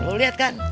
lu liat kan